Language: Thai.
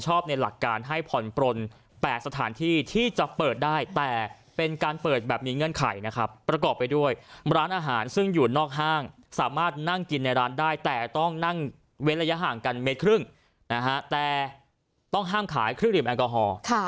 หลังการห้ามขายเหล้าเด็ดขาดนะครับอันนี้เด็ดขาดเลยนะฮะ